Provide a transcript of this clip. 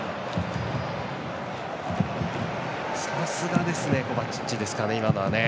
さすがですねコバチッチですかね。